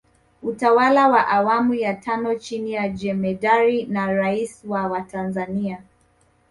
Utawala wa awamu ya tano chini ya Jemedari na Rais wa Watanzania